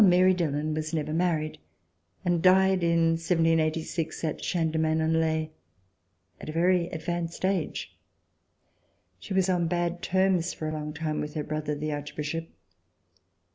Mary Dillon was never married and died in 1786 at Saint Germain en Laye, at a very advanced age. She was on bad terms for a long time with her brother, the Archbishop.